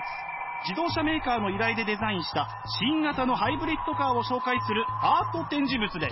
自動車メーカーの依頼でデザインした新型のハイブリッドカーを紹介するアート展示物です。